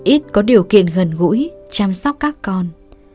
ít có điều kiện gần gũi chăm sóc các con